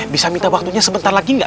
bisa minta waktunya sebentar lagi nggak